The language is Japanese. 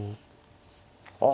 あっ。